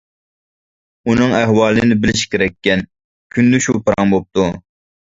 ئۇنىڭ ئەھۋالىنى بىلىشى كېرەككەن. كۈندە شۇ پاراڭ بوپتۇ.